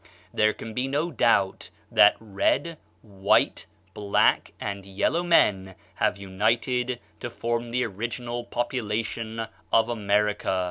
There can be no doubt that red, white, black, and yellow men have united to form the original population of America.